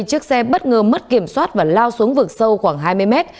chiếc xe bất ngờ mất kiểm soát và lao xuống vực sâu khoảng hai mươi mét